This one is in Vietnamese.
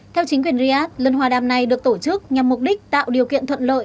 theo chính quyền riyadh lần hòa đàm này được tổ chức nhằm mục đích tạo điều kiện thuận lợi